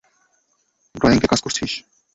ডয়েঙ্কে কাজ করছিস?